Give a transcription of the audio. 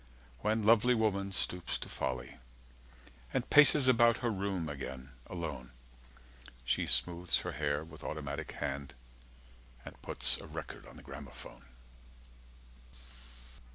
When lovely woman stoops to folly and Paces about her room again, alone, She smooths her hair with automatic hand, And puts a record on the gramophone.